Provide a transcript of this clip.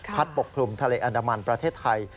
ปกคลุมทะเลอันดามันประเทศไทย